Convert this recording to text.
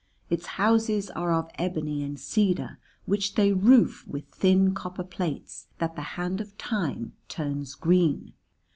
Its houses are of ebony and cedar which they roof with thin copper plates that the hand of Time turns green.